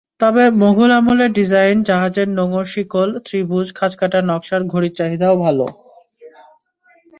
তবে মোগল আমলের ডিজাইন, জাহাজের নোঙর-শিকল, ত্রিভুজ, খাঁজকাটা নকশার ঘড়ির চাহিদাও ভালো।